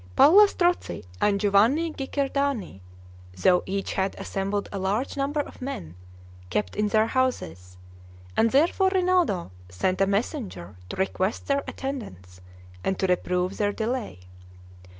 Palla Strozzi and Giovanni Guicciardini, though each had assembled a large number of men, kept in their houses; and therefore Rinaldo sent a messenger to request their attendance and to reprove their delay.